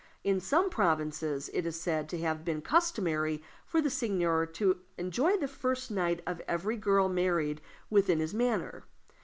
In some provinces it is said to have been customary for the seigneur to enjoy the first night of every girl married within his manor.